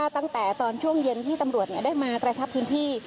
ตั้งแต่ตอนช่วงเย็นที่ตำรวจได้มากระชับพื้นที่